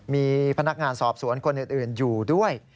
มีพนักงานสอบสวนคนอื่นอยู่ด้วย